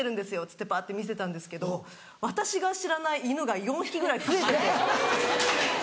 ってばって見せたんですけど私が知らない犬が４匹ぐらい増えてて。